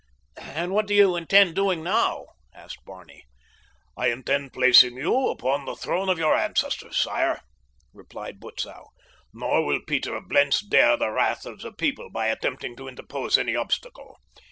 "And what do you intend doing now?" asked Barney. "I intend placing you upon the throne of your ancestors, sire," replied Butzow; "nor will Peter of Blentz dare the wrath of the people by attempting to interpose any obstacle.